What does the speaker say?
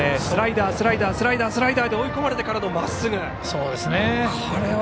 スライダー、スライダースライダー、スライダーと追い込まれてからのまっすぐ。